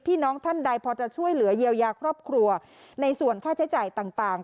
น้องท่านใดพอจะช่วยเหลือเยียวยาครอบครัวในส่วนค่าใช้จ่ายต่าง